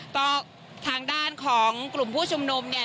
ก็ทางด้านของกลุ่มผู้ชุมนุมเนี่ย